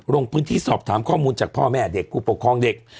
ลงพื้นที่สอบถามข้อมูลจากพ่อแม่เด็กผู้ปกครองเด็ก